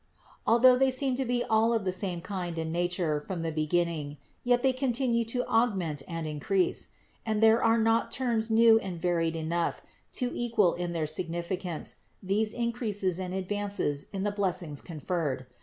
Although they seemed to be all of 22 INTRODUCTION the same kind and nature from the beginning, yet they continued to augment and increase; and there are not terms new and varied enough to equal in their signifi cance these increases and advances in the blessings con ferred.